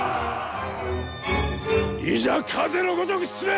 いざ風の如く進め！